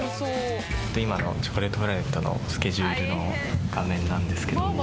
今チョコレートプラネットのスケジュールの画面なんですけども。